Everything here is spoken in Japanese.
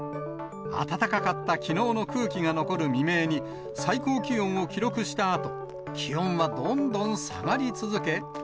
暖かかったきのうの空気が残る未明に、最高気温を記録したあと、気温はどんどん下がり続け。